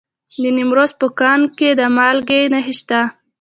د نیمروز په کنگ کې د مالګې نښې شته.